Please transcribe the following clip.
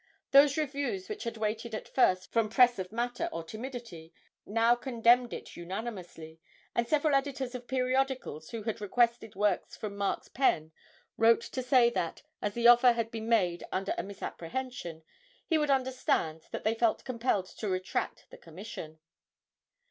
Those reviews which had waited at first from press of matter or timidity now condemned it unanimously, and several editors of periodicals who had requested works from Mark's pen wrote to say that, as the offer had been made under a misapprehension, he would understand that they felt compelled to retract the commissions.